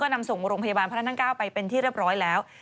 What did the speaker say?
นำส่งโรงพยาบาลพระนั่ง๙ไปเป็นที่เรียบร้อยแล้ว